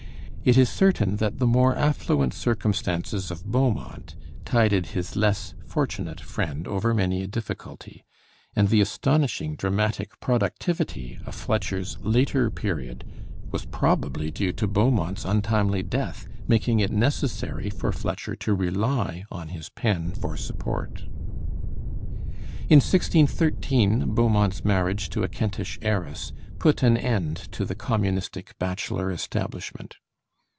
It is certain that the more affluent circumstances of Beaumont tided his less fortunate friend over many a difficulty; and the astonishing dramatic productivity of Fletcher's later period was probably due to Beaumont's untimely death, making it necessary for Fletcher to rely on his pen for support. In 1613 Beaumont's marriage to a Kentish heiress put an end to the communistic bachelor establishment.